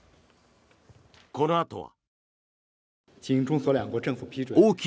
このあとは。